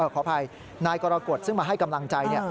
ขออภัยนายกรกฎซึ่งมาให้กำลังใจ